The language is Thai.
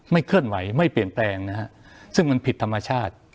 เคลื่อนไหวไม่เปลี่ยนแปลงนะฮะซึ่งมันผิดธรรมชาติ